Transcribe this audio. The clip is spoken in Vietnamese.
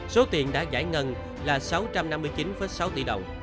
số tiền đã giải ngân là sáu trăm năm mươi chín sáu tỷ đồng